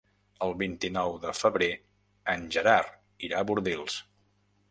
El vint-i-nou de febrer en Gerard irà a Bordils.